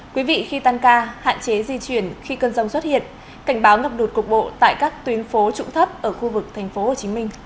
quý vị khi tan ca hạn chế di chuyển khi cơn giông xuất hiện cảnh báo ngập đột cục bộ tại các tuyến phố trụ thấp ở khu vực tp hcm